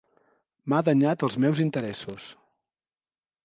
M'ha danyat en els meus interessos.